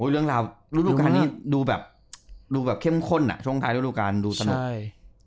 เรื่องราวรูดวการนี้ดูแบบเข้มข้นอ่ะช่วงท้ายรูดวการดูสนุก